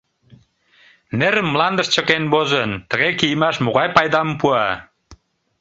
Нерым мландыш чыкен возын тыге кийымаш могай пайдам пуа!